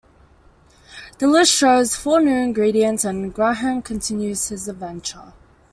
The list shows four new ingredients and Graham continues his adventure.